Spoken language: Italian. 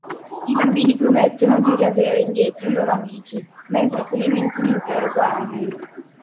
I bambini promettono di riavere indietro i loro amici, mentre Clementine interroga Abel.